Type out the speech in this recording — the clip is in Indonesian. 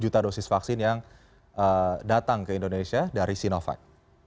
satu juta dosis vaksin yang datang ke indonesia dari sinovac